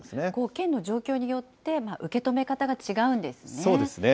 県の状況によって、受け止め方が違うんですね。